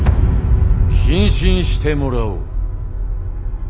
謹慎してもらおう。